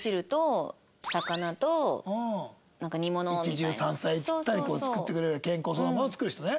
一汁三菜ぴったり作ってくれる健康そうなものを作る人ね。